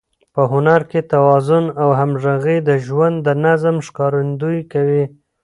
په هنر کې توازن او همغږي د ژوند د نظم ښکارندويي کوي.